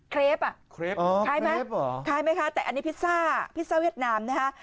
ครีปอ่ะคล้ายไหมคะแต่อันนี้พิซซ่าเวียดนามนะฮะ